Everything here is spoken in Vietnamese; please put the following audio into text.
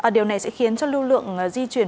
điều này sẽ khiến cho lưu lượng di chuyển